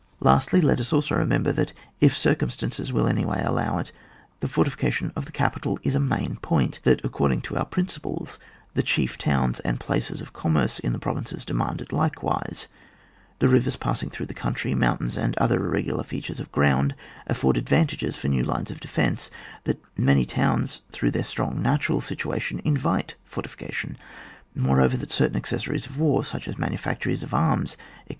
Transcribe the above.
Lastly, let us also re member that, if circumstances will in any way allow of it, the fortification of the capital is a main point ; that according to our principles the chief towns and places of commerce in the provinces demand it likewise ; that rivers passing through the country, mountains, and other irregular features of ground, afford advantages for new lines of defence ; that many towns, through their strong natural situation, invite fortification ; moreover, that certain accessories of war, such as manufactories of arms, &c.